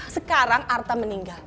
sekarang arta meninggal